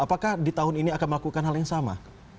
apakah di tahun ini akan melakukan hal yang sama